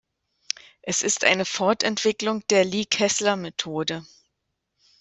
Es ist eine Fortentwicklung der Lee-Kesler-Methode.